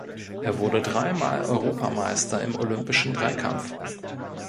Er wurde dreimal Europameister im olympischen Dreikampf.